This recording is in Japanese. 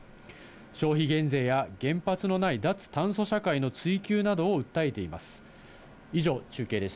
消費減税や原発のない脱炭素社会の追求などを訴えています。